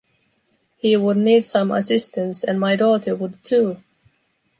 He would need some assistance, and my daughter would too!